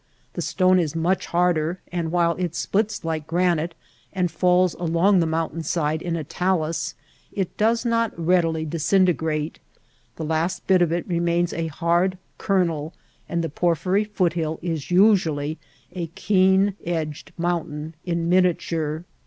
The stone is much harder and while it splits like granite and falls along the mountain side in a talus it does not readily disintegrate. The last bit of it remains a hard kernel, and the porphyry foot hill is usually a keen edged mountain in miniature.